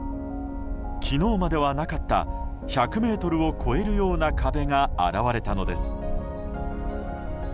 昨日まではなかった１００ｍを超えるような壁が現れたのです。